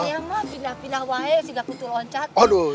sama sama pindah pindah wae